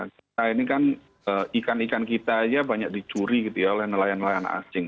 kita ini kan ikan ikan kita aja banyak dicuri gitu ya oleh nelayan nelayan asing